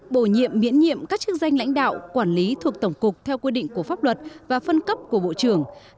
bổ nhiệm miễn nhiệm các chức danh lãnh đạo quản lý thuộc tổng cục theo quy định của pháp luật và phân cấp của bộ trưởng